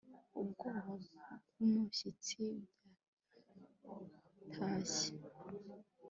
ubwoba n'umushyitsi byantashye